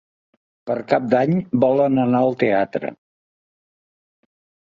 Per Cap d'Any volen anar al teatre.